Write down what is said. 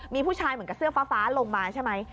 มีผู้ชายเหมือนกับเสื้อฟ้าลงมาใช่ไหม